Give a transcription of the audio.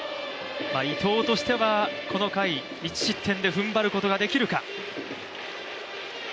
伊藤としてはこの回、１失点で踏ん張ることができるか。